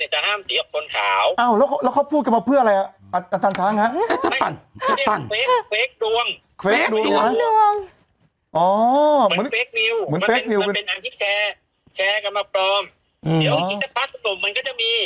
แชร์กันมาปลอมอืมเดี๋ยวนี้สักพักนุ่มมันก็จะมี